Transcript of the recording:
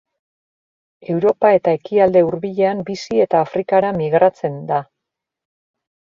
Europa eta Ekialde Hurbilean bizi eta Afrikara migratzen da.